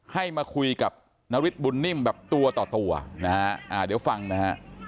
ให้มาคุยกับนวิทย์บุญนิ่มแบบตัวต่อตัวเดี๋ยวฟังนะ